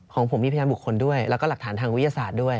ของผมมีพยานบุคคลด้วยแล้วก็หลักฐานทางวิทยาศาสตร์ด้วย